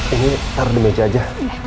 ini ntar di meja aja